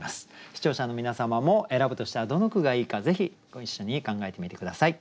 視聴者の皆様も選ぶとしたらどの句がいいかぜひご一緒に考えてみて下さい。